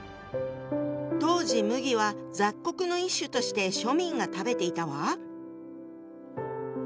当時麦は雑穀の一種として庶民が食べていたわ。